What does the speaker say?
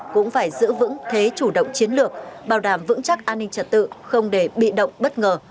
cũng phải giữ vững thế chủ động chiến lược bảo đảm vững chắc an ninh trật tự không để bị động bất ngờ